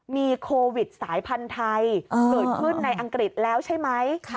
มีโควิดสายพันธุ์ไทยเกิดขึ้นในอังกฤษแล้วใช่ไหม